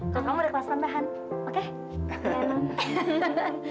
kalau kamu udah kelas nantahan oke